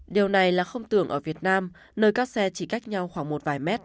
điều này là không tưởng ở việt nam nơi các xe chỉ cách nhau khoảng một vài mét